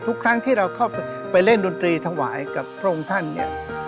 ทุกครั้งที่เราเข้าไปเล่นดนตรีถวายกับพระองค์ท่านเนี่ย